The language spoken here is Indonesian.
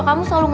aku mau keluar